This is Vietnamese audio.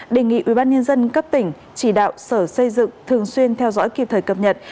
đề nghị ubnd cấp tỉnh chỉ đạo sở xây dựng thường xuyên theo dõi kịp thời cập nhật